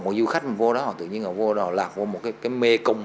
một du khách mà vô đó tự nhiên là vô đầu lạc vô một cái mê cung